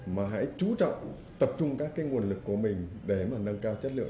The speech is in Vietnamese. mà hãy chú trọng tập trung các nguồn lực của mình để nâng cao chất lượng